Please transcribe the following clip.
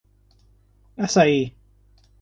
Assaí